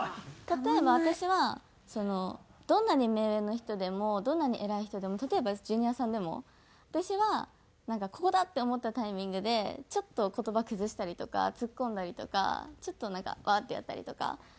例えば私はそのどんなに目上の人でもどんなに偉い人でも例えばジュニアさんでも私はここだって思ったタイミングでちょっと言葉崩したりとかツッコんだりとかちょっとなんかワーッてやったりとか。